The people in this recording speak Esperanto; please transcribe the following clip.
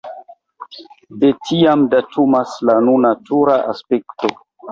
De tiam datumas la nuna tura aspekto.